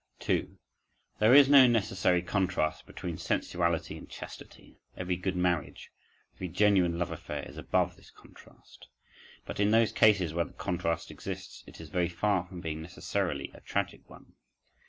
2. There is no necessary contrast between sensuality and chastity, every good marriage, every genuine love affair is above this contrast; but in those cases where the contrast exists, it is very far from being necessarily a tragic one.